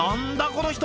この人